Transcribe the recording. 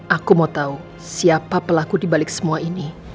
aku mau tahu siapa pelaku dibalik semua ini